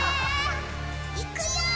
いくよ！